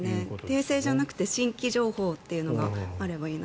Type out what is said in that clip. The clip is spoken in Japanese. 訂正じゃなくて新規情報というのがあればいいなと。